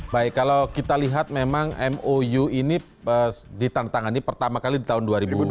baik kalau kita lihat memang mou ini ditandatangani pertama kali di tahun dua ribu dua puluh